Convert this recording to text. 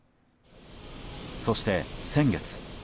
そして、先月。